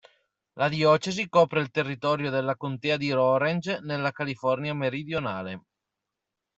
La diocesi copre il territorio della contea di Orange nella California meridionale.